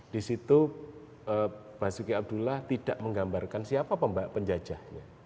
di situ basuki abdullah tidak menggambarkan siapa penjajahnya